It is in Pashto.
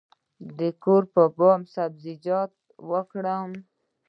د کور په بام کې سبزیجات وکرم؟